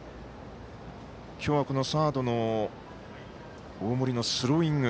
今日はサードの大森のスローイング。